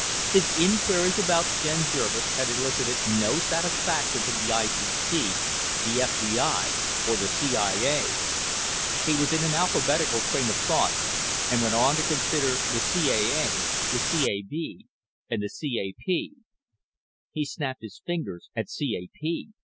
His inquiries about Jen Jervis had elicited no satisfaction from the ICC, the FBI, or the CIA. He was in an alphabetical train of thought and went on to consider the CAA, the CAB and the CAP. He snapped his fingers at CAP.